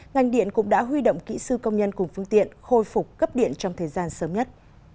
ngành điện cũng đã huy động kỹ sư công nhân cùng phương tiện khôi phục cấp điện trong thời gian sớm nhất